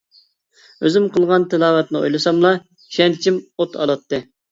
ئۆزۈم قىلغان تىلاۋەتنى ئويلىساملا، ئىشەنچىم ئوت ئالاتتى.